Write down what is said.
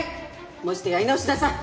もう一度やり直しなさい！